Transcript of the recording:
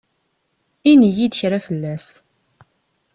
Ini-yi-d kra fell-as.